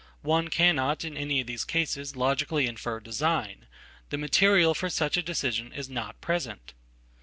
One cannot in any of these cases logically inferdesign. The material for such a decision is not present.